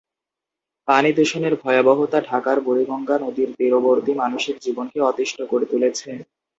পানি দূষণের ভয়াবহতা ঢাকার বূড়িগঙ্গা নদীর তীরবর্তী মানুষদের জীবনকে অতিষ্ট করে তুলেছে।